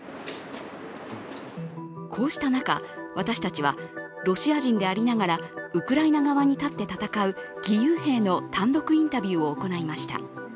こうした中、私たちはロシア人でありながらウクライナ側に立って戦う義勇兵の単独インタビューを行いました。